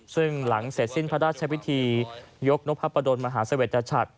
ซึ่งหลังเสร็จสิ้นพระราชพิธียกนพประดนมหาเสวจชัด